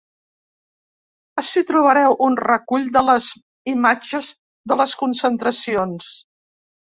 Ací trobareu un recull de les imatges de les concentracions.